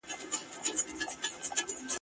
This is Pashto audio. اقتدا مي پسي کړې زما امام دی ما منلی !.